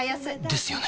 ですよね